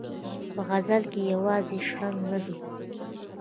په غزل کې یې یوازې شرنګ نه دی.